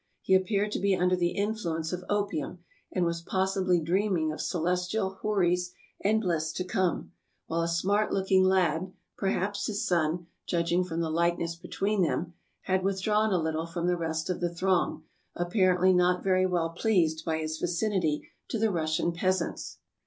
He appeared to be under the influence of opium, and was possibly dreaming of celestial houris and bliss to come ; while a smart looking lad — perhaps his son, judging from the likeness between them — had withdrawn a little from the rest of the throng, ap parently not very well pleased by his vicinity to the Russian peasants.